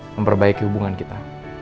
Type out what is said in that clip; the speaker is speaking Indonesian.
memperbaiki hubungan kita